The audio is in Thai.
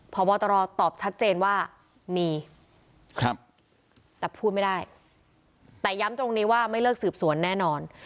พบตรตอบชัดเจนว่ามีครับแต่พูดไม่ได้แต่ย้ำตรงนี้ว่าไม่เลิกสืบสวนแน่นอน